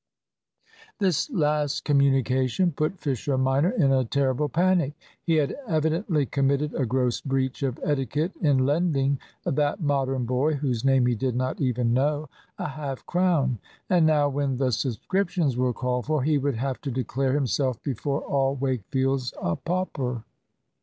This last communication put Fisher minor in a terrible panic. He had evidently committed a gross breach of etiquette in lending that Modern boy (whose name he did not even know) a half crown; and now, when the subscriptions were called for, he would have to declare himself before all Wakefield's a pauper.